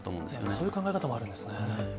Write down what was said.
そういう考え方もあるんですね。